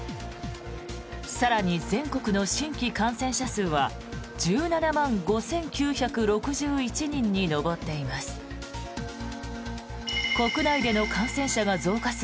更に、全国の新規感染者数は１７万５９６１人に上っています。